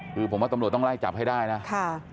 ถึงเขามายกกันมานานครับ